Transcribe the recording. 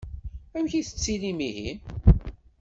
Amek i tettilim ihi?